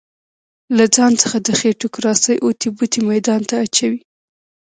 له ځان څخه د خېټوکراسۍ اوتې بوتې ميدان ته اچوي.